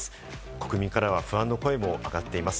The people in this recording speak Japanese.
国民からは不安の声も上がっています。